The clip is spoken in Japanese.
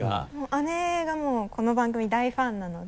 姉がもうこの番組大ファンなので。